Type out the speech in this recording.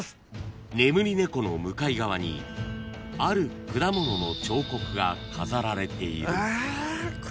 ［眠り猫の向かい側にある果物の彫刻が飾られている］